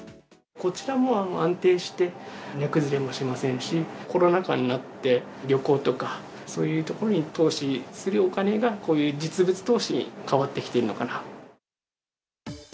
こちらも安定して値崩れもしませんし、コロナ禍になって、旅行とか、そういうところに投資するお金が、こういう実物投資に変わってきているのかなと。